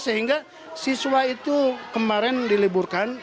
sehingga siswa itu kemarin diliburkan